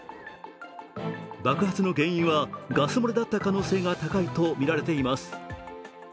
爆発の原因はガス漏れだった可能性が高いとみられています。